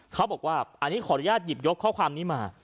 เขาบอกว่าอันนี้ขออนุญาตหยิบยกข้อความนี้มา